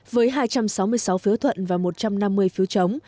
với hai trăm sáu mươi sáu phiếu thuận và một trăm năm mươi phiếu chống